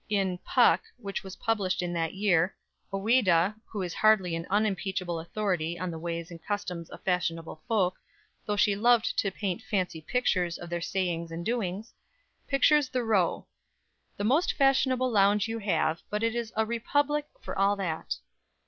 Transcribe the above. In "Puck," which was published in that year, Ouida who is hardly an unimpeachable authority on the ways and customs of fashionable folk, though she loved to paint fancy pictures of their sayings and doings pictures the Row: "the most fashionable lounge you have, but it is a Republic for all that."